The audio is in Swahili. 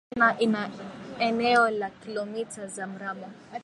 China ina eneo la kilomita za mraba